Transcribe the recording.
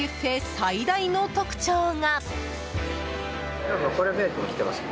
最大の特徴が。